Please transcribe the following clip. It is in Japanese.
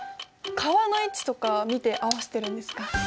川の位置とか見て合わせているんですか？